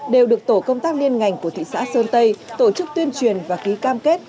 đều được tổ công tác liên ngành của thị xã sơn tây tổ chức tuyên truyền và ký cam kết